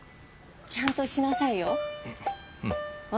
ちゃんとしなさいよ！